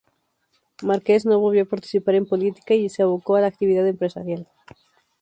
Márquez no volvió a participar en política y se abocó a la actividad empresarial.